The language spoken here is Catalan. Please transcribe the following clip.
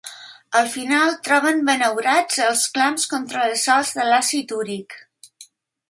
Al final, troben benaurats els clams contra les sals de l'àcid úric.